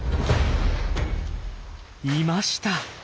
いました！